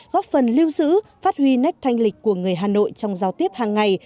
góp phần lưu giữ phát huy nét thanh lịch của người hà nội trong giao tiếp hàng ngày